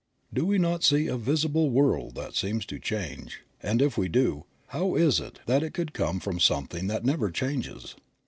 Do we not see a visible world that seems to change, and if we do, how is it that it could come from something that never changes?